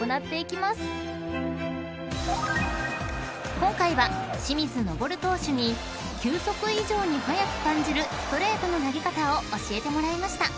［今回は清水昇投手に球速以上に速く感じるストレートの投げ方を教えてもらいました］